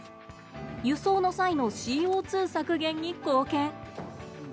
輸送の際のＣＯ２削減に貢献。